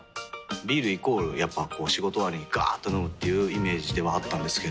ビールイコールやっぱこう仕事終わりにガーっと飲むっていうイメージではあったんですけど。